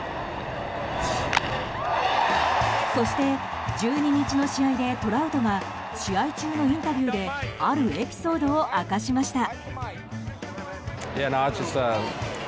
そして、１２日の試合でトラウトが試合中のインタビューであるエピソードを明かしました。